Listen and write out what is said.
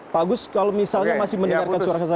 pak agus kalau misalnya masih mendengarkan suara saya